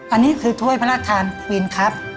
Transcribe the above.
อันนี้คือถ้วยพระราชทานควินครับ